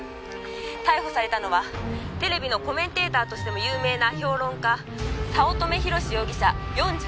「逮捕されたのはテレビのコメンテーターとしても有名な評論家早乙女宏志容疑者４６歳です」